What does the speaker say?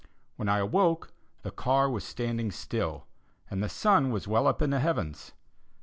When I awoke the car was standing still, and the sun was well up in the heavens.